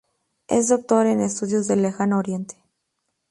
Es doctor en estudios del Lejano Oriente.